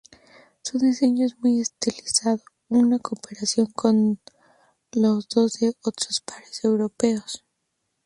Su diseño era muy estilizado en comparación con los de otros pares europeos.